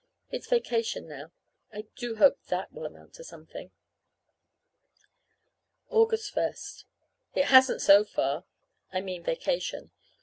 It's vacation now. I do hope that will amount to something! August first. It hasn't, so far I mean vacation.